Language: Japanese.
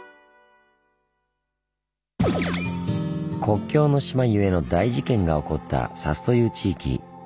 国境の島ゆえの大事件が起こった佐須という地域。